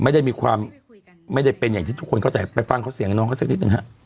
ไม่ได้มีความไม่ได้เป็นอย่างที่ทุกคนเข้าใจไปฟังเขาเสียงน้องเขาสักนิดหนึ่งฮะ